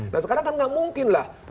nah sekarang kan nggak mungkin lah